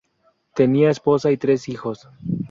Tenía esposa y tres hijos.